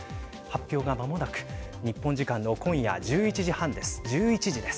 発表が、まもなく日本時間の今夜１１時です。